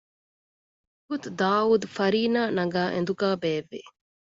އެވަގުތު ދާއޫދު ފަރީނާ ނަގައި އެނދުގައި ބޭއްވި